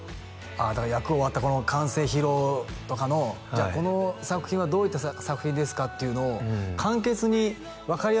だから役終わったこの完成披露とかの「じゃあこの作品はどういった作品ですか？」っていうのを簡潔に分かりやすく言うって